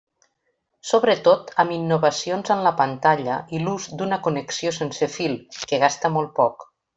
Sobretot amb innovacions en la pantalla i l'ús d'una connexió sense fil, que gasta molt poc.